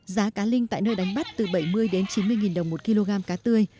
giá cá linh tại nơi đánh bắt từ bảy mươi đến chín mươi nghìn đồng một kg cá tươi